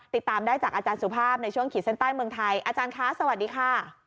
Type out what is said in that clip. ติดตามได้จากอาจารย์สุภาพในช่วงขีดเส้นใต้เมืองไทยอาจารย์คะสวัสดีค่ะ